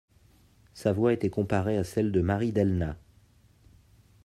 Sa voix était comparée à celle de Marie Delna.